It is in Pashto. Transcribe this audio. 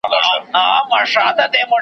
دا تر پښو لاندي قبرونه .